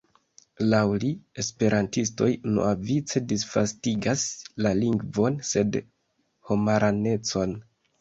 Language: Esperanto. Laŭ li, esperantistoj unuavice disvastigas ne lingvon, sed homaranecon.